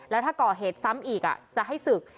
แล้วถ้าก่อเหตุซ้ำอีกจะให้ศึก